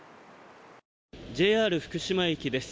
ＪＲ福島駅です。